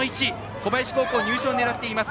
小林高校、入賞を狙っています。